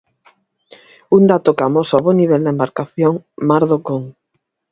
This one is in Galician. Un dato que amosa o bo nivel da embarcación 'Mar do Con'.